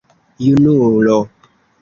junulo